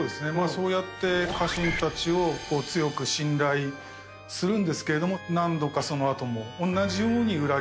そうやって家臣たちを強く信頼するんですけれども何度かそのあとも同じように裏切られて。